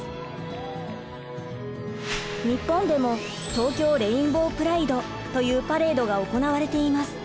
日本でも東京レインボープライドというパレードが行われています。